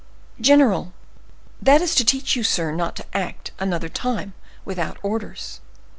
"General—" "That is to teach you, sir, not to act, another time, without orders."